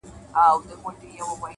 • ګل د ګلاب بوی د سنځلي,